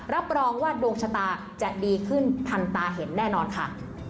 รับรองว่าดวงชะตาจะดีขึ้นทันตาเห็นแน่นอนค่ะ